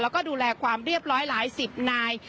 แล้วก็ดูแลความเรียบร้อยหลายสิบนาย